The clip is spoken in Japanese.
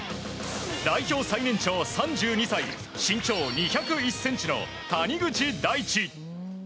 代表最年長の３２歳身長２０４ｃｍの谷口大智。